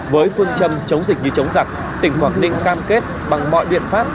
với phương châm chống dịch như chống giặc tỉnh quảng ninh cam kết bằng mọi biện pháp